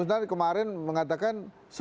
kemudian kemarin mengatakan